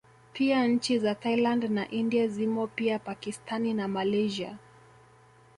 Pia nchi za Thailand na India zimo pia Pakistani na Malaysia